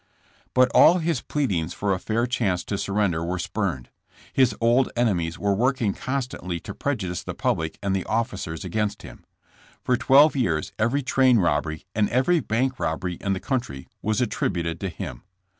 '* But all his pleadings for a fair chance to surren der were spurned. His old enemies were working constantly to prejudice the public and the officers against him. For twelve years every train robbery and every bank robbery in the country was attribu ted to him.